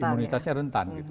apa namanya imunitasnya rentan